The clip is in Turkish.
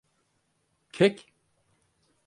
Kek?